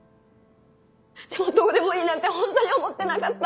でもどうでもいいなんてホントに思ってなかった。